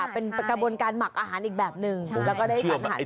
เป็นกระบวนการหมักอาหารอีกแบบหนึ่งแล้วก็ได้สันหัน